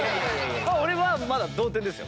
俺はまだ同点ですよ。